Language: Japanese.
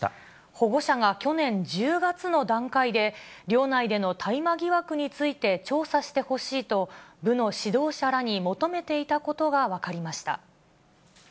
保護者が去年１０月の段階で、寮内での大麻疑惑について調査してほしいと、部の指導者らに求めていたことが分かりました。